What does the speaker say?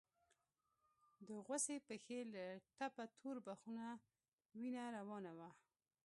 د غوڅې پښې له ټپه تور بخونه وينه روانه وه.